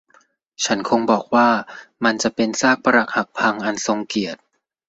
ฉันคงบอกว่ามันจะเป็นซากปรักหักพังอันทรงเกียรติ